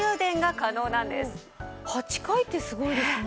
８回ってすごいですね。